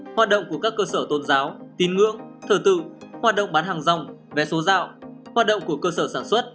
hướng thờ tự hoạt động bán hàng dòng vé số giao hoạt động của cơ sở sản xuất